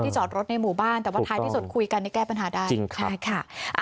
จอดรถในหมู่บ้านแต่ว่าท้ายที่สุดคุยกันแก้ปัญหาได้จริงใช่ค่ะ